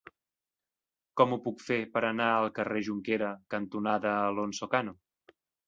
Com ho puc fer per anar al carrer Jonquera cantonada Alonso Cano?